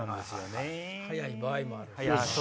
早い場合もあるし。